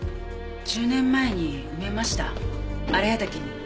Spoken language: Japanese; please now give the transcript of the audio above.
１０年前に埋めました荒谷岳に。